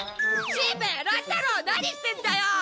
しんべヱ乱太郎何してんだよ！